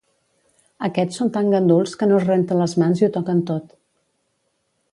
Aquests són tan ganduls que no es renten les mans i ho toquen tot